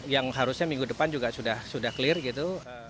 yang harusnya minggu depan juga sudah clear gitu